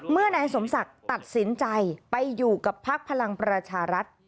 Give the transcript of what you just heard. เมื่อนายสมศักดิ์ตัดสินใจไปอยู่กับพักพลังประชารัฐ